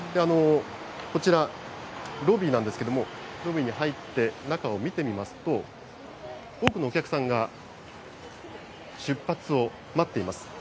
こちら、ロビーなんですけれども、ロビーに入って中を見てみますと、多くのお客さんが出発を待っています。